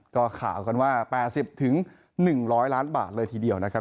ก็ข่าวกันว่า๘๐๑๐๐ล้านบาทเลยทีเดียวนะครับ